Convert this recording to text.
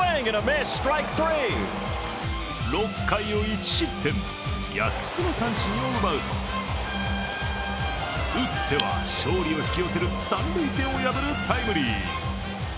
６回を１失点、８つの三振を奪うと打っては勝利を引き寄せる三塁線を破るタイムリー。